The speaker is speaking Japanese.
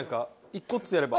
１個ずつやれば。